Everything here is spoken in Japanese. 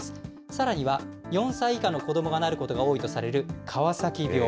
さらには４歳以下の子どもがなることが多いとされる、川崎病。